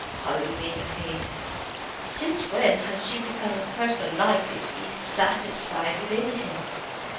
Hallin made a little face. "Since when has she become a person likely to be 'satisfied' with anything?